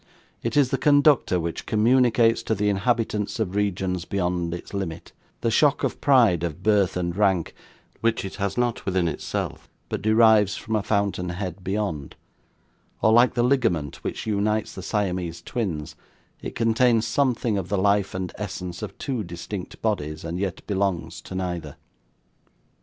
It is the conductor which communicates to the inhabitants of regions beyond its limit, the shock of pride of birth and rank, which it has not within itself, but derives from a fountain head beyond; or, like the ligament which unites the Siamese twins, it contains something of the life and essence of two distinct bodies, and yet belongs to neither.